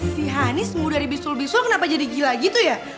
si hanis mu dari bisul bisul kenapa jadi gila gitu ya